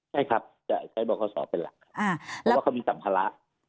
ใช่ครับจะใช้บ่อขอสอเป็นหลักเพราะว่าเขามีสัมภาระ